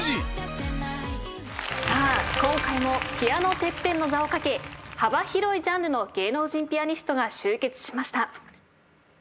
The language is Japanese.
さあ今回もピアノＴＥＰＰＥＮの座を懸け幅広いジャンルの芸能人ピアニストが集結しました。